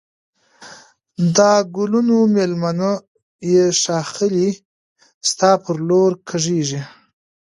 د گلونو مېلمنه یې ښاخلې ستا پر لور کږېږی